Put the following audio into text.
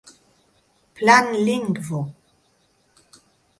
planlingvo